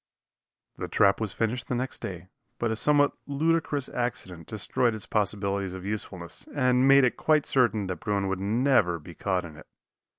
The trap was finished the next day, but a somewhat ludicrous accident destroyed its possibilities of usefulness, and made it quite certain that bruin would never be caught in it.